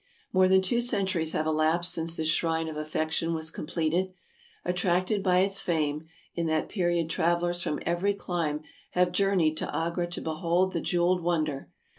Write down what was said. More than two centuries have elapsed since this shrine of affection was completed. Attracted by its fame, in that period travelers from every clime have journeyed to Agra to behold the jeweled wonder.